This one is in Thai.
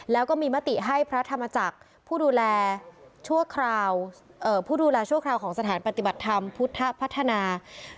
แล้วก็มีมติให้พระธรรมจักรผู้ดูแลชั่วคราวของสถานปฏิบัติธรรมพุทธพัฒนา